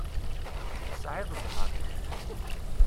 Tesɛiḍ zzheṛ.